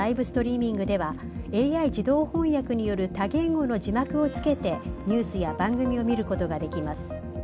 ストリーミングではＡＩ自動翻訳による多言語の字幕をつけてニュースや番組を見ることができます。